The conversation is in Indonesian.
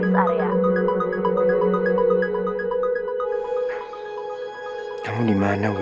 taramun ini warnet wee